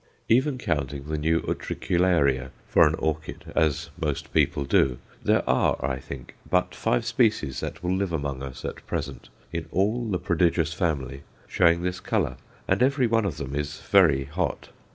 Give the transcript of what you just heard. Even counting the new Utricularia for an orchid, as most people do, there are, I think, but five species that will live among us at present, in all the prodigious family, showing this colour; and every one of them is very "hot."